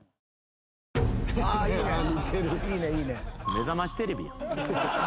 『めざましテレビ』やん。